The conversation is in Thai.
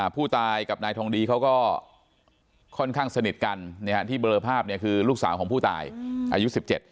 ผู้ตายกับนายทองดีเขาก็ค่อนข้างสนิทกันที่เบลอภาพคือลูกสาวของผู้ตายอายุ๑๗